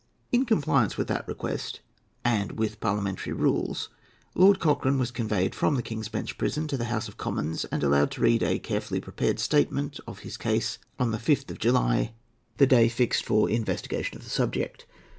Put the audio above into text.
In compliance with that request, and with parliamentary rules, Lord Cochrane was conveyed from the King's Bench Prison to the House of Commons, and allowed to read a carefully prepared statement of his case, on the 5th of July, the day fixed for investigation of the subject.